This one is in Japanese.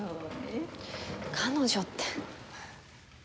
彼女って。